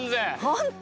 本当？